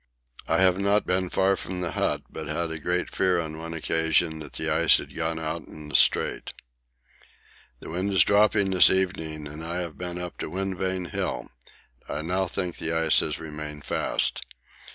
I have not been far from the hut, but had a great fear on one occasion that the ice had gone out in the Strait. The wind is dropping this evening, and I have been up to Wind Vane Hill. I now think the ice has remained fast.